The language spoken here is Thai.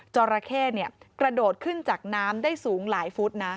จราเข้กระโดดขึ้นจากน้ำได้สูงหลายฟุตนะ